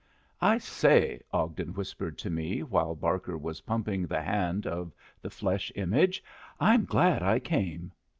"I say," Ogden whispered to me while Barker was pumping the hand of the flesh image, "I'm glad I came."